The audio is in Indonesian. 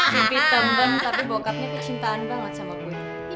jipi tembeng tapi bokapnya kecintaan banget sama gue